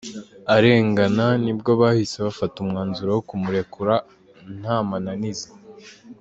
arengana nibwo bahise bafata umwanzuro wo kumurekura ntamananiza.